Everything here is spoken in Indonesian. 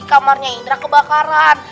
kamarnya indra kebakaran